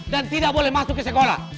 dan tidak boleh masuk ke sekolah